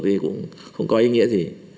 thì cũng không có ý nghĩa gì